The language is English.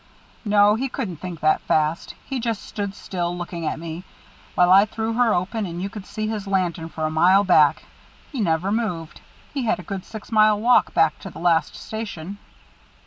"No, he couldn't think that fast. He just stood still, looking at me, while I threw her open, and you could see his lantern for a mile back he never moved. He had a good six mile walk back to the last station."